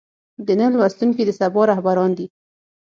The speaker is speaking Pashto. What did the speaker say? د نن لوستونکي د سبا رهبران دي.